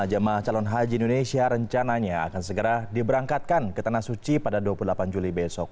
jemaah calon haji indonesia rencananya akan segera diberangkatkan ke tanah suci pada dua puluh delapan juli besok